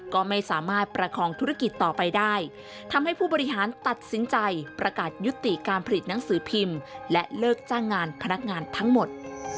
ก็ไม่สามารถประคองธุรกิจต่อไปได้ทำให้ผู้บริหารตัดสินใจประกาศยุติการผลิตหนังสือพิมพ์และเลิกจ้างงานพนักงานทั้งหมด